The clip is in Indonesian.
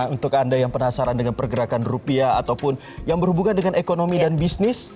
untuk anda yang penasaran dengan pergerakan rupiah ataupun yang berhubungan dengan ekonomi dan bisnis